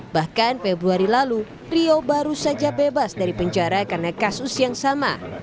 bahkan februari lalu rio baru saja bebas dari penjara karena kasus yang sama